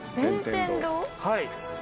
はい。